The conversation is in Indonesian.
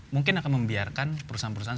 mungkin akan membiarkan perusahaan perusahaan